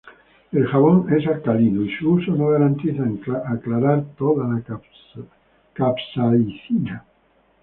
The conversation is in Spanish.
El Jabón es alcalino, y su uso no garantiza aclarar toda la capsaicina.